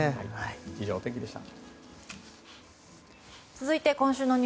以上、お天気でした。